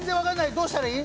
どうしたらいい？